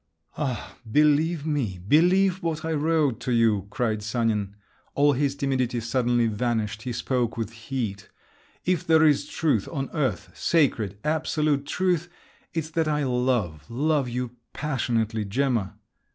"Ah, believe me! believe what I wrote to you!" cried Sanin; all his timidity suddenly vanished, he spoke with heat; "if there is truth on earth—sacred, absolute truth—it's that I love, love you passionately, Gemma."